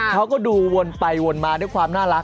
เขาก็ดูวนไปวนมาด้วยความน่ารัก